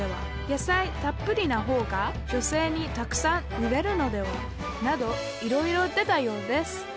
「野菜たっぷりな方が女性にたくさん売れるのでは」などいろいろ出たようです